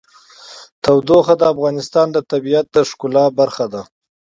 تودوخه د افغانستان د طبیعت د ښکلا برخه ده.